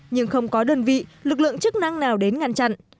nhưng không có đơn vị lực lượng chức năng nào đến ngăn chặn